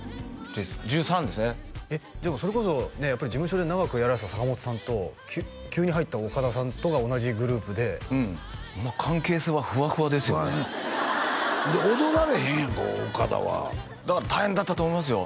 １３ですねえっでもそれこそねやっぱり事務所で長くやられてた坂本さんと急に入った岡田さんとが同じグループで関係性はフワフワですよねで踊られへんやんか岡田はだから大変だったと思いますよ